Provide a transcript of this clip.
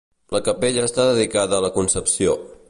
La capella està dedicada a la Concepció.